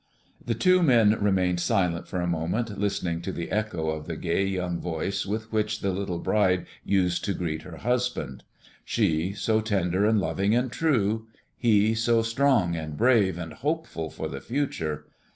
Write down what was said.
The two men remained silent for a moment, listening to the echo of the gay young voice with which the little bride used to greet her husband; she, so tender, and loving, and true; he, so strong, and brave, and hopeful for the future!